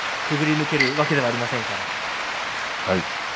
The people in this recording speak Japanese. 誰もがそれをくぐり抜けるわけではありません。